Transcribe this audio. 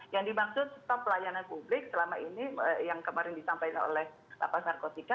yang dimaksud stop pelayanan publik selama ini yang kemarin disampaikan oleh pak narkotika